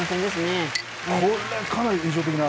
これ、かなり印象的な。